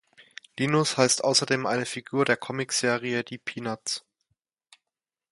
Linus heißt außerdem eine Figur der Comicserie Die Peanuts.